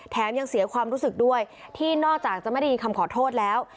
ยังเสียความรู้สึกด้วยที่นอกจากจะไม่ได้ยินคำขอโทษแล้ว